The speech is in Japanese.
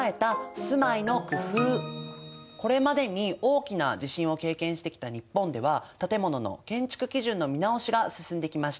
これまでに大きな地震を経験してきた日本では建物の建築基準の見直しが進んできました。